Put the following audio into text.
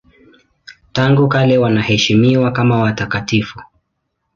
Tangu kale wanaheshimiwa kama watakatifu.